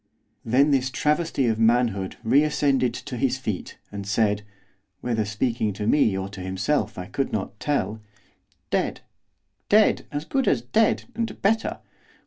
Then this travesty of manhood reascended to his feet, and said, whether speaking to me or to himself I could not tell, 'Dead! dead! as good as dead! and better!